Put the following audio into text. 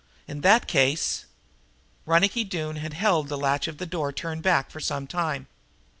In that case " Ronicky Doone had held the latch of the door turned back for some time.